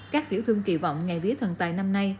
các tiểu thương kỳ vọng ngày vía thần tài năm nay